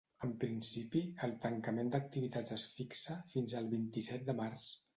En principi, el tancament d’activitats es fixa fins el vint-i-set de març.